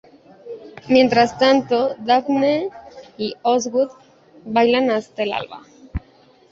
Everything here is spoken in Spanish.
Mientras tanto, Daphne y Osgood bailan hasta el alba.